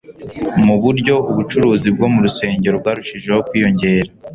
ku buryo ubucuruzi bwo mu rusengero bwarushijeho kwiyongera.